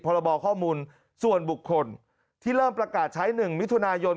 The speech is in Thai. พรบข้อมูลส่วนบุคคลที่เริ่มประกาศใช้๑มิถุนายน